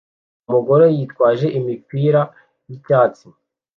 umugore yitwaje imipira yicyatsi